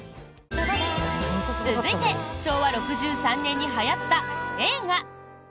続いて昭和６３年にはやった映画。